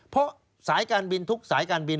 เพราะสายการบินทุกสายการบิน